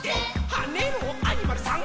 「はねろアニマルさん！」